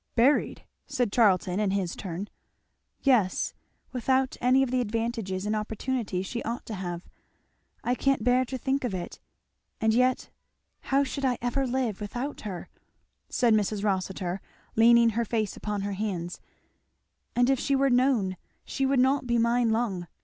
"Buried!" said Charlton in his turn. "Yes without any of the advantages and opportunities she ought to have. I can't bear to think of it. And yet how should I ever live without her!" said Mrs. Rossitur, leaning her face upon her hands. "And if she were known she would not be mine long.